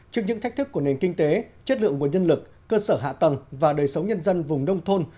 trước những thách thức của nền kinh tế chất lượng nguồn nhân lực cơ sở hạ tầng và đời sống nhân dân vùng nông thôn